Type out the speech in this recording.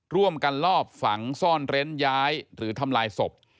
ร่วมกันลอบฝังซ่อนเร้นย้ายหรือทำลายศพ